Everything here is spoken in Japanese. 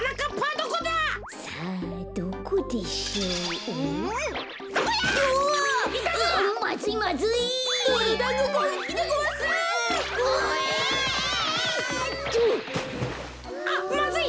とう！あっまずい！